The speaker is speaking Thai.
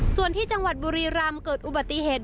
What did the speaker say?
ส่วนที่จังหวัดบุรีรำเกิดอุบัติเหตุ